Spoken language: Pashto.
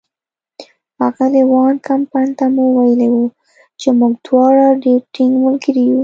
اغلې وان کمپن ته مو ویلي وو چې موږ دواړه ډېر ټینګ ملګري یو.